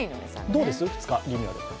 どうです、２日、リニューアル？